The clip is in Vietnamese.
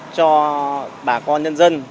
cho bà con nhân dân